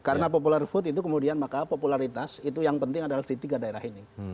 karena popular vote itu kemudian maka popularitas itu yang penting adalah di tiga daerah ini